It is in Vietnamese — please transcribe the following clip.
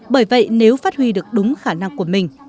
bởi vậy nếu phát huy được đúng khả năng của mình